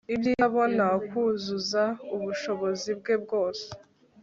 Ibyiza abona kuzuza ubushobozi bwe bwose